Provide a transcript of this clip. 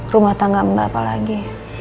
rumah tangga mbak apa lagi